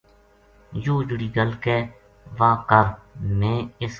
یوہ جہڑی گل کہہ واہ کر میں اس